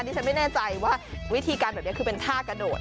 ฉันไม่แน่ใจว่าวิธีการแบบนี้คือเป็นท่ากระโดด